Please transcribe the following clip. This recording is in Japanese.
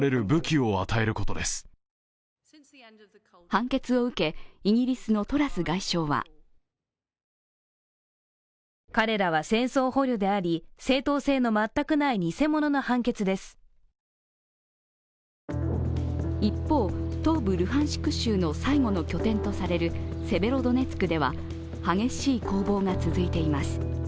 判決を受け、イギリスのトラス外相は一方、東部ルハンシク州の最後の拠点とされるセベロドネツクでは、激しい攻防が続いています。